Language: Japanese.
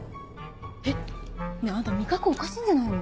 えっ？ねぇあんた味覚おかしいんじゃないの？